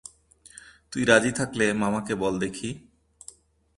তুই রাজি থাকলে মামাকে বলে দেখি।